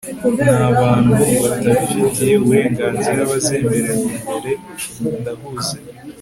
nta bantu batabifitiye uburenganzira bazemererwa imbere. ndahuze